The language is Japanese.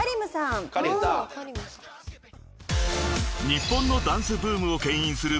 ［日本のダンスブームをけん引する］